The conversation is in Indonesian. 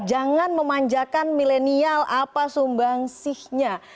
jangan memanjakan milenial apa sumbangsihnya